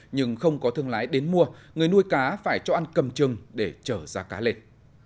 nhưng không có thương lái đến mua người nuôi cá phải cho ăn cầm chừng để chở ra cá lên